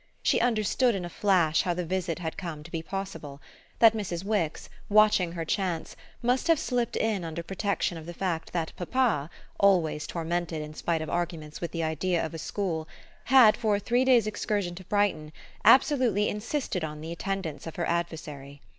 She understood in a flash how the visit had come to be possible that Mrs. Wix, watching her chance, must have slipped in under protection of the fact that papa, always tormented in spite of arguments with the idea of a school, had, for a three days' excursion to Brighton, absolutely insisted on the attendance of her adversary.